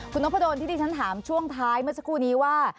คุณนพดลที่ดิฉันถามช่วงท้ายเมื่อสักครู่นี้ว่า